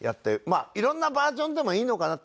色んなバージョンでもいいのかなって。